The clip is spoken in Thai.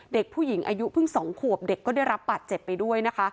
เด็กผู้หญิงอายุเพิ่ง๒ขวบเด็กก็ได้รับบาดเจ็บไปด้วยนะคะ